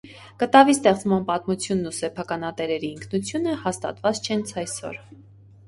Կտավի ստեղծման պատմությունն ու սեփականատերերի ինքնությունը հաստատված չեն ցայսօր։